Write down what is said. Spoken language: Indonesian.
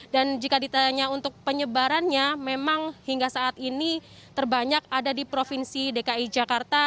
jika ditanya untuk penyebarannya memang hingga saat ini terbanyak ada di provinsi dki jakarta